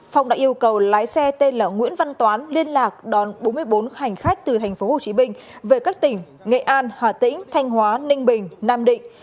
phong đã yêu cầu lái xe tên là nguyễn văn toán liên lạc đón bốn mươi bốn hành khách từ tp hcm về các tỉnh nghệ an hà tĩnh thanh hóa ninh bình nam định